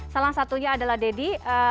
salah satunya adalah deddy